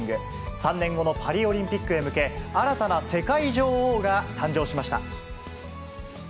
３年後のパリオリンピックへ向け、新たな世界女王が誕生しました。